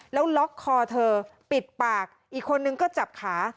แล้วล็อกคอเธอปิดปากอีกคนนึงก็จับขา